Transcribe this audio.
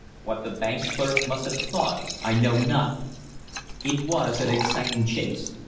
What the bank clerk must have thought, I know not. It was an exciting chase.